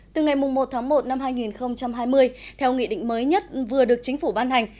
từ ngày một tháng một năm hai nghìn hai mươi theo nghị định mới nhất vừa được chính phủ ban hành